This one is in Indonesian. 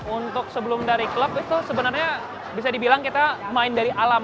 untuk sebelum dari klub itu sebenarnya bisa dibilang kita main dari alam